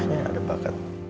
iya ada bakat